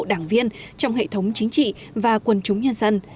đảng viên trong hệ thống chính trị và quân chúng nhân dân